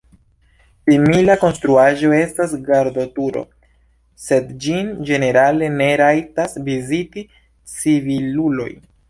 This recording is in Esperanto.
Simila konstruaĵo estas gardoturo, sed ĝin ĝenerale ne rajtas viziti civiluloj.